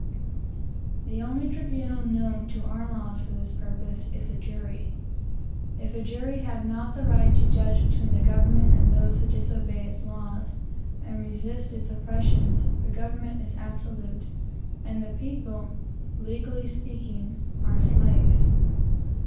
The only tribunal known to our laws, for this purpose, is a jury. If a jury have not the right to judge between the government and those who disobey its laws, and resist its oppressions, the government is absolute, and the people, legally speaking are slaves.